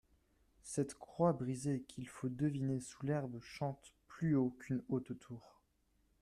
Cette croix brisée qu'il faut deviner sous l'herbe chante plus haut qu'une haute tour.